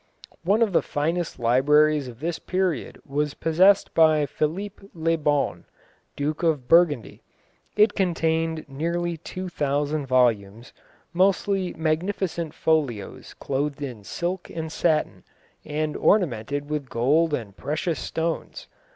One of the finest libraries of this period was possessed by Philippe le Bon, Duke of Burgundy. It contained nearly two thousand volumes, mostly magnificent folios clothed in silk and satin, and ornamented with gold and precious stones.